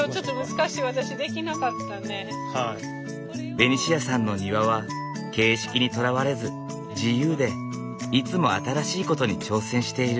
ベニシアさんの庭は形式にとらわれず自由でいつも新しいことに挑戦している。